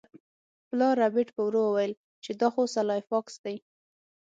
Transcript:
پلار ربیټ په ورو وویل چې دا خو سلای فاکس دی